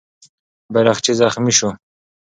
بیرغچی زخمي سو.